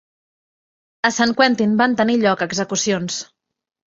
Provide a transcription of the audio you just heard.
A San Quentin van tenir lloc execucions.